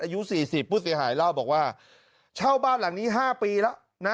อายุสี่สิบปุฏิหายเล่าบอกว่าเช่าบ้านหลังนี้ห้าปีแล้วนะ